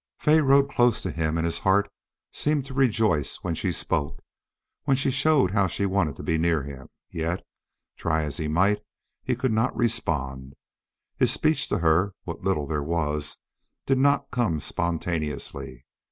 Fay rode close to him, and his heart seemed to rejoice when she spoke, when she showed how she wanted to be near him, yet, try as he might, he could not respond. His speech to her what little there was did not come spontaneously.